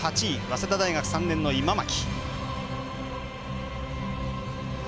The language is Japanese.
早稲田大学３年の今牧。